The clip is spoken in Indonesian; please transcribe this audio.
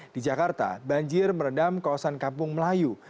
di jakarta banjir merendam kawasan kampung melayu